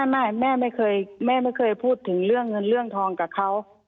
แม่ไม่เคยแม่ไม่เคยพูดถึงเรื่องเงินเรื่องทองกับเขา